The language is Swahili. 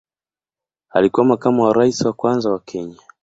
Alikuwa makamu wa rais wa kwanza wa Kenya.